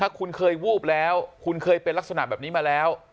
ถ้าคุณเคยวูบแล้วคุณเคยเป็นลักษณะแบบนี้มาแล้ว